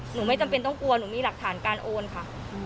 ไม่จำเป็นต้องกลัวหนูมีหลักฐานการโอนค่ะ